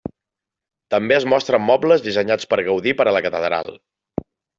També es mostren mobles dissenyats per Gaudí per a la Catedral.